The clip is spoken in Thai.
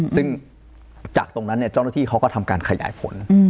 ซึ่งจากตรงนั้นเจ้าหน้าที่เขาก็ทำการขยายผล